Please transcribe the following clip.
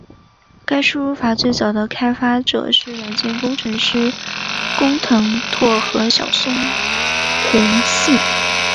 该输入法最早的开发者是软件工程师工藤拓和小松弘幸。